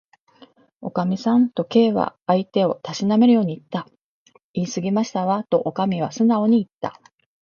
「おかみさん」と、Ｋ は相手をたしなめるようにいった。「いいすぎましたわ」と、おかみはすなおにいった。